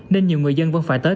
nên nhiều người dân vẫn phải tới